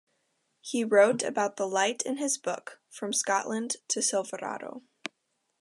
He wrote about the light in his book "From Scotland to Silverado".